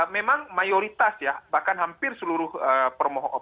memang mayoritas ya bahkan hampir seluruh permohonan